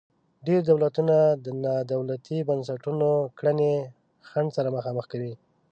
ډیری دولتونه د نا دولتي بنسټونو کړنې خنډ سره مخامخ کوي.